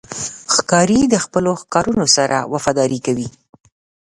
ښکاري د خپلو ښکارونو سره وفاداري کوي.